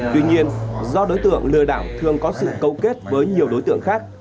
tuy nhiên do đối tượng lừa đảo thường có sự câu kết với nhiều đối tượng khác